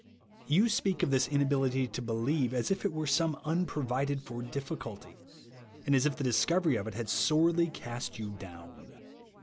You speak of this inability to believe as if it were some unprovided for difficulty ; and as if the discovery of it had sorely cast you down.